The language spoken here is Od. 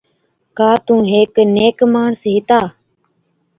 ڪا تُون هيڪ نيڪ ماڻس هِتا،